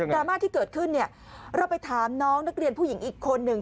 ราม่าที่เกิดขึ้นเนี่ยเราไปถามน้องนักเรียนผู้หญิงอีกคนหนึ่ง